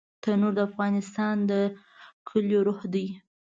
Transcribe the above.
تنور د افغانستان د کليو روح دی